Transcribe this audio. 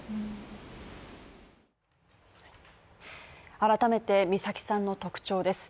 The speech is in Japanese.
改めて美咲さんの特徴です。